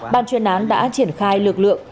ban chuyên án đã triển khai lực lượng